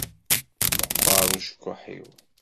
Meqqeṛ ucekkuḥ-iw.